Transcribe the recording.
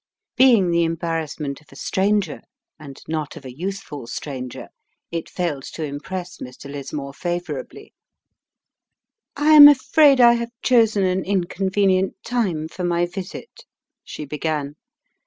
Being the embarrassment of a stranger (and not of a youthful stranger) it failed to impress Mr. Lismore favourably. "I am afraid I have chosen an inconvenient time for my visit," she began.